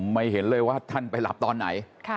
ไม่เห็นเลยว่าท่านไปหลับตอนไหน